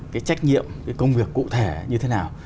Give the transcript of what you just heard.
cái trách nhiệm cái công việc cụ thể như thế nào